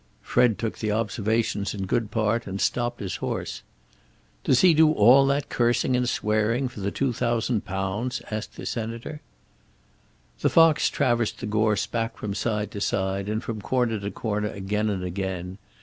Ned took the observations in good part and stopped his horse. "Does he do all that cursing and swearing for the £2,000?" asked the Senator. The fox traversed the gorse back from side to side and from corner to corner again and again.